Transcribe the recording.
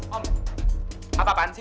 om apa apaan sih